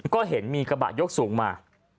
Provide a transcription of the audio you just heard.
ก็เห็นมีกระบะยกสูงมา